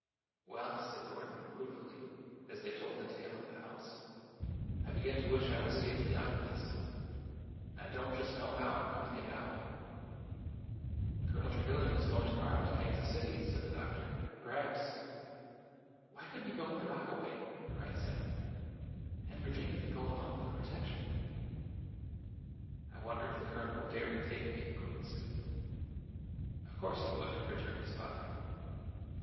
'' Well," said Gordon, ruefully, as they told the tale at the house, '' I begin to wish I was safely out of this ! And I don't just know how I 'm going to get out." Colonel Trevilian is going to morrow to Kansas City," said the doctor. '' Perhaps—" '' Why could n't he go in the rockaway ?" cried Sallie. '' And Virginia could go along for protection." I wonder if the Colonel would dare to take me," Gor don said. '' Of course he would," returned his father.